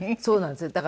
そうなんです。